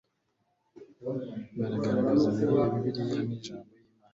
bigaragaza ko Bibiliya ari Ijambo ry Imana